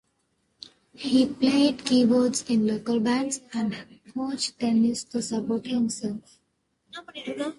He played keyboards in local bands and coached tennis to support himself.